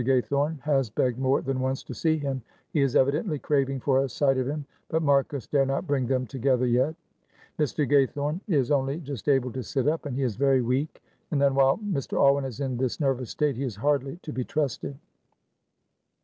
Gaythorne has begged more than once to see him; he is evidently craving for a sight of him, but Marcus dare not bring them together yet. Mr. Gaythorne is only just able to sit up, and he is very weak. And then while Mr. Alwyn is in this nervous state he is hardly to be trusted."